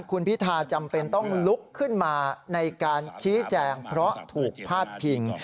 คุณพิธาจำเป็นต้องลุกขึ้นมาในการชี้แจงเพราะถูกพาดพิง